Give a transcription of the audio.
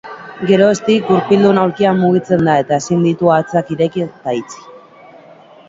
Geroztik, gurpildun aulkian mugitzen da eta ezin ditu hatzak ireki eta itxi.